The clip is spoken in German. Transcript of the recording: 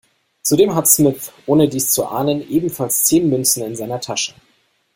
Zudem hat Smith, ohne dies zu ahnen, ebenfalls zehn Münzen in seiner Tasche.